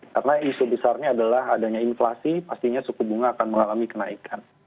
karena isu besarnya adalah adanya inflasi pastinya suku bunga akan mengalami kenaikan